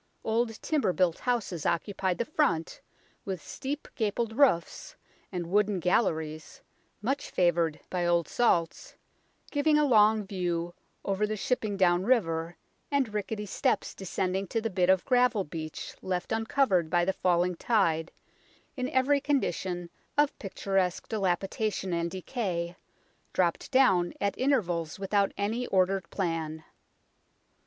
Old timber built houses occupied the front, with steep gabled roofs, and wooden galleries much favoured by old salts giving a long view over the shipping down river, and ricketty steps descending to the bit of gravel beach left uncovered by the falling tide, in every condition of picturesque dilapidation and decay, dropped down at intervals without any ordered plan.